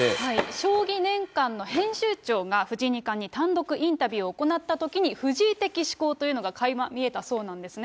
将棋年鑑の編集長が、藤井二冠に単独インタビューを行ったときに、藤井的思考というのがかいま見えたそうなんですね。